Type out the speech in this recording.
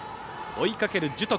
追いかける樹徳。